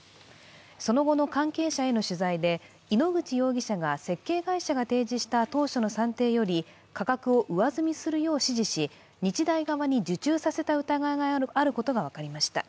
その後の関係者への取材で、井ノ口容疑者が設計会社が提示した当初の算定より価格を上積みするよう指示し、日大側に受注させた疑いがあることが分かりました。